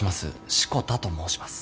志子田と申します。